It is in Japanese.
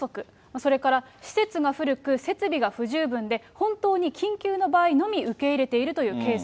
それから施設が古く、設備が不十分で、本当に緊急の場合のみ受け入れているというケース。